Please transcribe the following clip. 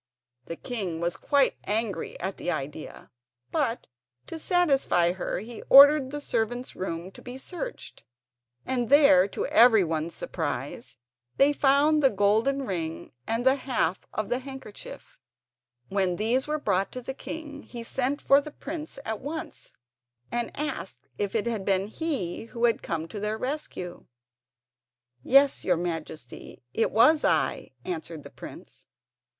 The king was quite angry at the idea; but, to satisfy her, he ordered the servant's room to be searched. And there, to everyone's surprise, they found the golden ring and the half of the handkerchief. When these were brought to the king he sent for the prince at once and asked if it had been he who had come to their rescue. "Yes, your Majesty, it was I," answered the prince.